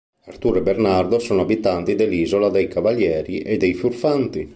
Arturo e Bernardo sono abitanti dell'isola dei cavalieri e dei furfanti.